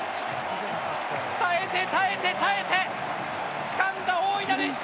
耐えて耐えて耐えてつかんだ大いなる一勝！